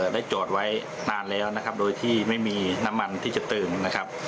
ได้จอดไว้นานแล้วนะครับโดยที่ไม่มีน้ำมันที่จะเติมนะครับ